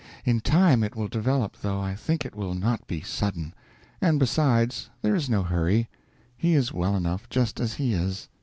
In time it will develop, though I think it will not be sudden; and besides, there is no hurry; he is well enough just as he is.